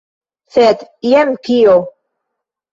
Sed jen kio!